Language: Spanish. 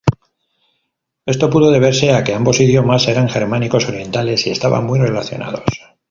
Esto pudo deberse a que ambos idiomas eran germánicos orientales y estaban muy relacionados.